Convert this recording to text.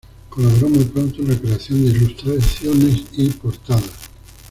Colaboró muy pronto en la creación de ilustraciones y portadas.